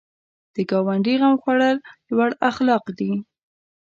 د ګاونډي غم خوړل لوړ اخلاق دي